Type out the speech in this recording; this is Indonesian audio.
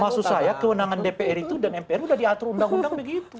maksud saya kewenangan dpr itu dan mpr sudah diatur undang undang begitu